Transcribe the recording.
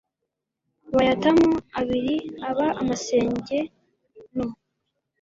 Bayatamo abiri aba amasenge nu